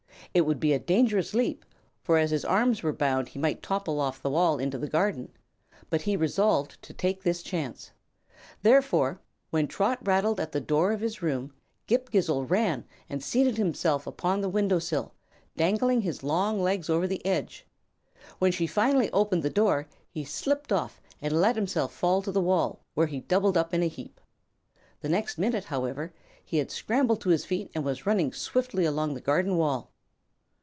It would be a dangerous leap, for as his arms were bound he might topple off the wall into the garden; but he resolved to take this chance. Therefore, when Trot rattled at the door of his room Ghip Ghisizzle ran and seated himself upon the window sill, dangling his long legs over the edge. When she finally opened the door he slipped off and let himself fall to the wall, where he doubled up in a heap. The next minute, however, he had scrambled to his feet and was running swiftly along the garden wall.